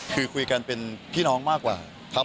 คือคุยกันเป็นพี่น้องมากกว่าครับ